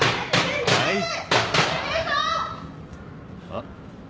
あっ。